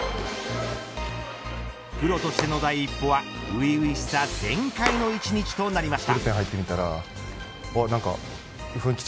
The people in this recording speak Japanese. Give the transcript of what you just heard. プロとしての第一歩は初々しさ全開の１日となりました。